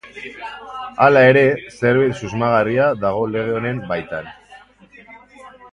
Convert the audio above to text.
Hala ere, zerbait susmagarria dago lege honen baitan.